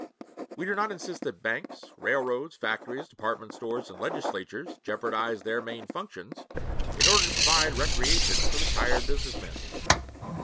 We do not insist that banks, railroads, factories, department stores, and legislatures jeopardize their main functions in order to provide recreation for the tired business men.